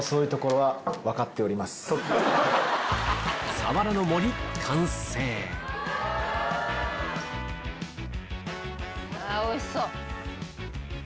サワラの森完成おいしそう！